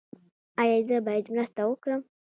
ایا زه باید مرسته وکړم؟